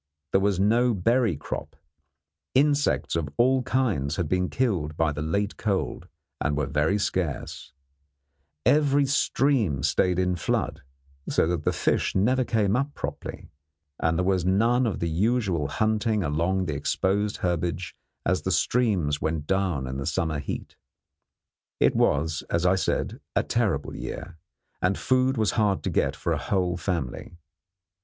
There was no berry crop, insects of all kinds had been killed by the late cold and were very scarce, every stream stayed in flood, so that the fish never came up properly, and there was none of the usual hunting along the exposed herbage as the streams went down in the summer heat. It was, as I said, a terrible year, and food was hard to get for a whole family.